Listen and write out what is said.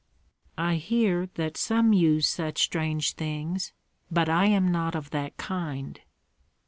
"I hear that some use such strange things, but I am not of that kind."